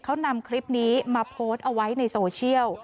เขานำคลิปนี้มาโพสต์เอาไว้ในโซเชียล